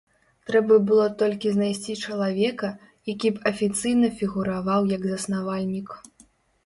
Трэба было толькі знайсці чалавека, які б афіцыйна фігураваў як заснавальнік.